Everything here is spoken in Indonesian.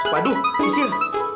waduh si sil